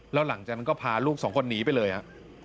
แล้วหลังจากนั้นก็พาลูกสองคนหนีไปเลยฮะ